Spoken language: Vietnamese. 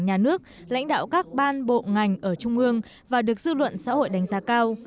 nhà nước lãnh đạo các ban bộ ngành ở trung ương và được dư luận xã hội đánh giá cao